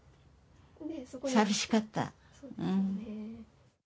寂しかった。